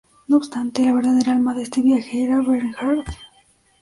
No obstante, la verdadera alma de este viaje era Bernhardt.